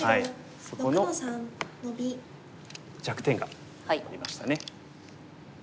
そこの弱点がありましたね。